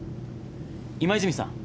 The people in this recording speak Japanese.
今泉さん。